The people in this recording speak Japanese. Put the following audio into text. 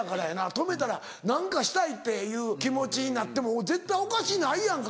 泊めたら何かしたいっていう気持ちになっても絶対おかしないやんか。